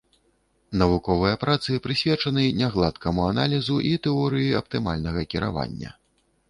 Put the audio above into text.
Навуковыя працы прысвечаны нягладкаму аналізу і тэорыі аптымальнага кіравання.